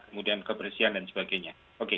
kemudian kebersihan dan sebagainya